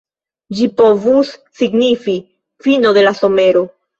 Ĝi povus signifi "fino de la somero".